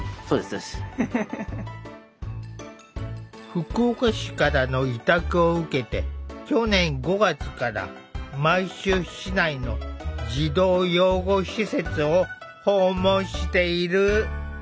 福岡市からの委託を受けて去年５月から毎週市内の児童養護施設を訪問している。